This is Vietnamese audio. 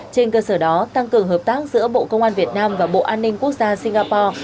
trên cơ sở đó tăng cường hợp tác giữa bộ công an việt nam và bộ an ninh quốc gia singapore